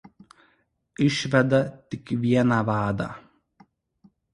Išveda tik vieną vadą.